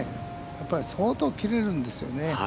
やっぱり相当切れるんですよね。